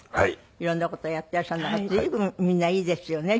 色んな事をやっていらっしゃるんだから随分みんないいですよね。